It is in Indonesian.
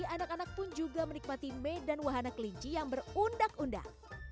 anak anak pun juga menikmati medan wahana kelinci yang berundak undak